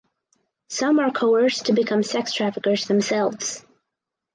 Some are coerced to become sex traffickers themselves.